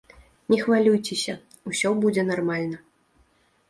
Не хвалюйцеся, усё будзе нармальна.